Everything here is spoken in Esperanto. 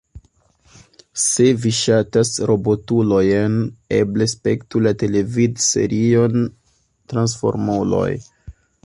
Se vi ŝatas robotulojn, eble spektu la televidserion Transformuloj.